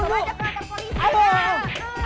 kita baca ke kantor polisi